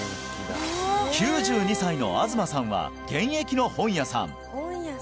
９２歳の東さんは現役の本屋さん